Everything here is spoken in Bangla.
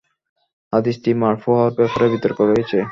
হাদীসটি মারফু হওয়ার ব্যাপারেও বিতর্ক রয়েছে।